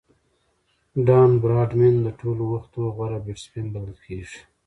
ډان براډمن د ټولو وختو غوره بيټسمېن بلل کیږي.